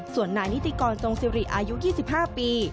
ส่วนนายนิติกรทรงสิริอายุ๒๕ปี